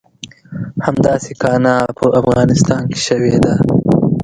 همداسې کانه په افغانستان کې شوې ده.